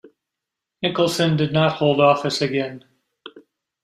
Nicholson did not hold office again.